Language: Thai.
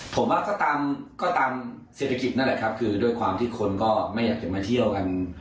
ผมว่าก็ตามก็ตามเศรษฐกิจนั่นแหละครับคือด้วยความที่คนก็ไม่อยากจะมาเที่ยวกัน